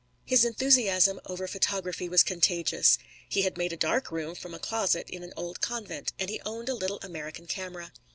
His enthusiasm over photography was contagious. He had made a dark room from a closet in an old convent, and he owned a little American camera.